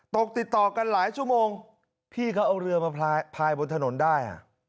ตกติดต่อกันหลายชั่วโมงพี่เขาเอาเรือมาพายบนถนนได้